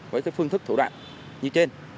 với cái phương thức thủ đoạn như trên